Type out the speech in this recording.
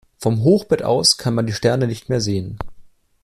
Vom Hochbett aus kann man die Sterne nicht mehr sehen.